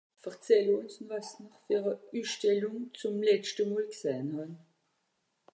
L'exposition que j'ai vu la dernière fois